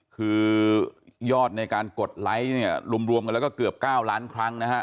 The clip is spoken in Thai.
คือยอดในการกดไลค์เนี่ยรวมกันแล้วก็เกือบ๙ล้านครั้งนะฮะ